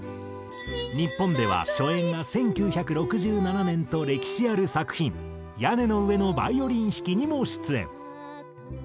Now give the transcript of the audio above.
日本では初演が１９６７年と歴史ある作品『屋根の上のヴァイオリン弾き』にも出演。